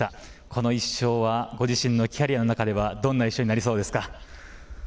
この１勝は、ご自身のキャリアの中ではどんな１勝になりそうですか。